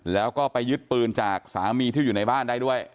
แล้วก็ไปยึดปืนจากสามีที่อยู่ในบ้านได้ด้วย